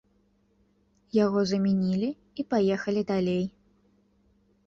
Яго замянілі і паехалі далей.